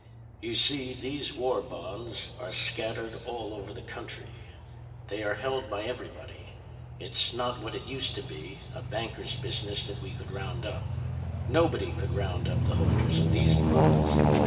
"You see these war bonds are scattered all over the country. They are held by everybody. It's not what it used to be, a banker's business that we could round up. Nobody could round up the holders of these bonds.